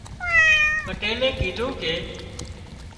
پٽيلئي ڪيڌون ڪي